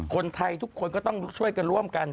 คนไทยทุกคนก็ต้องช่วยกันร่วมกัน